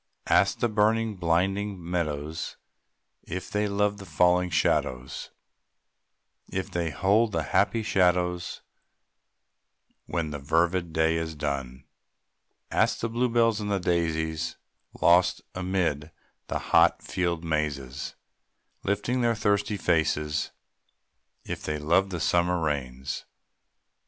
Ask the burning, blinded meadows If they love the falling shadows, If they hold the happy shadows When the fervid day is done. Ask the blue bells and the daisies, Lost amid the hot field mazes, Lifting up their thirsty faces, If they love the summer rains.